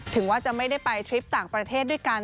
ถึงว่าจะไม่ได้ไปทริปต่างประเทศด้วยกัน